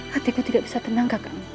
hatiku tidak bisa tenang kakak